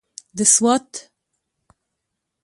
د سوات.